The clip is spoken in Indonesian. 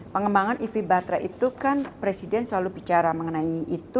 pengembangan ev baterai itu kan presiden selalu bicara mengenai itu